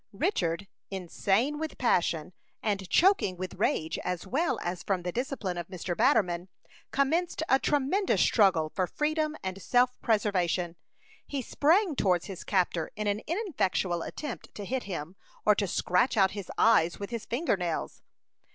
Richard, insane with passion, and choking with rage as well as from the discipline of Mr. Batterman, commenced a tremendous struggle for freedom and self preservation. He sprang towards his captor in an ineffectual attempt to hit him, or to scratch out his eyes with his finger nails.